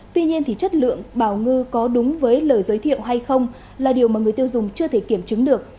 tuy nhiên thì chất lượng bảo ngư có đúng với lời giới thiệu hay không là điều mà người tiêu dùng chưa thể kiểm chứng được